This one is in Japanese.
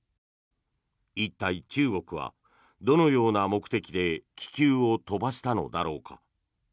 一体、中国はどのような目的で気球を飛ばしたのだろうか。